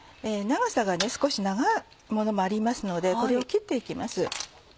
長さが少し長いものもありますのでこれを切って行きます。